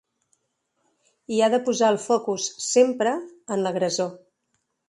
I ha de posar el focus, sempre, en l'agressor.